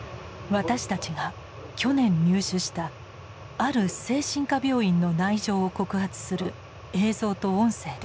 私たちが去年入手したある精神科病院の内情を告発する映像と音声です。